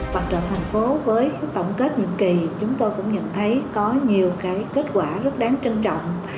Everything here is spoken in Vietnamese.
mặt trận thành phố với tổng kết nhiệm kỳ chúng tôi cũng nhận thấy có nhiều kết quả rất đáng trân trọng